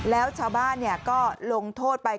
แล้วชาวบ้านก็ลงโทษไป